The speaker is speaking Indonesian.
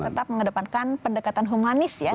tetap mengedepankan pendekatan humanis ya